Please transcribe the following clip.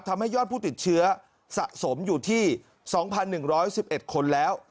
ทำให้ยอดผู้ติดเชื้อสะสมอยู่ที่๒๑๑๑๑๑คนแล้ว